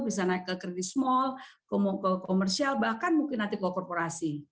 bisa naik ke kredit small ke komersial bahkan mungkin nanti ke korporasi